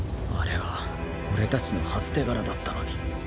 あれは俺たちの初手柄だったのに。